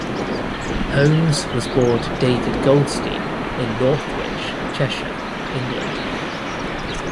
Holmes was born David Goldstein in Northwich, Cheshire, England.